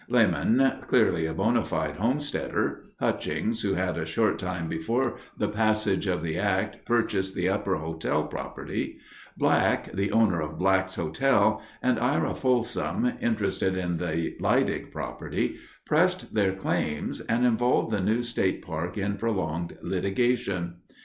Lamon, clearly a bona fide homesteader; Hutchings, who had a short time before the passage of the act purchased the Upper Hotel property; Black, the owner of Black's Hotel; and Ira Folsom, interested in the Leidig property, pressed their claims and involved the new state park in prolonged litigation.